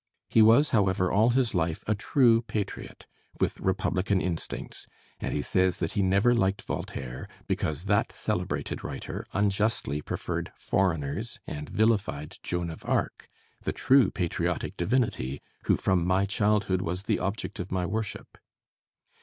He was however all his life a true patriot, with republican instincts; and he says that he never liked Voltaire, because that celebrated writer unjustly preferred foreigners and vilified Joan of Arc, "the true patriotic divinity, who from my childhood was the object of my worship."